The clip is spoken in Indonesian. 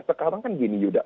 sekarang kan gini juga